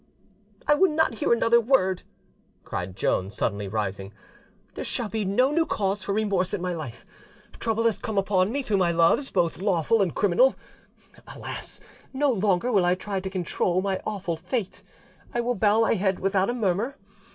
"I will not hear another word," cried Joan, suddenly rising; "there shall be no new cause for remorse in my life. Trouble has come upon me through my loves, both lawful and criminal; alas! no longer will I try to control my awful fate, I will bow my head without a murmur.